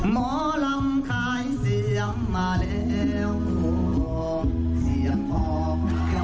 มอลำคลายเสียงมาแล้วมอลำคลายเสียงมาแล้ว